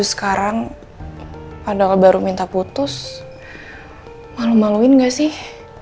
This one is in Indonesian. sekarang padahal baru minta putus malu maluin gak sih